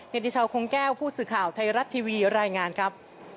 ติชาวคงแก้วผู้สื่อข่าวไทยรัฐทีวีรายงานครับ